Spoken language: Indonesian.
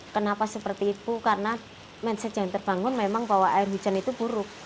kenapa seperti itu karena mindset yang terbangun memang bahwa air hujan itu buruk